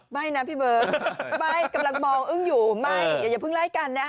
ไม่นะพี่เบิร์ตไม่กำลังมองอึ้งอยู่ไม่อย่าเพิ่งไล่กันนะฮะ